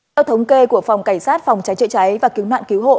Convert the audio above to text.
theo thống kê của phòng cảnh sát phòng trái trợi trái và cứu nạn cứu hộ